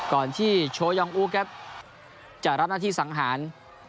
ก่อนที่โชยองอูครับจะรับหน้าที่สังหาร